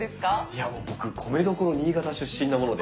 いやもう僕米どころ新潟出身なもので。